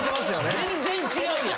全然違うやん！